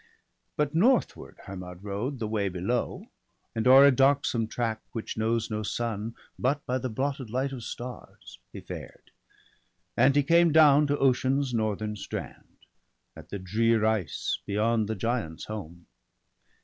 But northward Hermod rode, the way below; And o'er a darksome tract, which knows no sun, But by the blotted light of stars, he fared. And he came down to Ocean's northern strand, At the drear ice, beyond the giants' home.